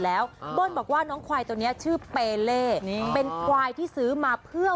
แล้วเบิ้ลบอกว่าน้องควายตัวเนี้ยชื่อเปเล่เป็นควายที่ซื้อมาเพื่อ